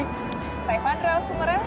saya fandra sumerow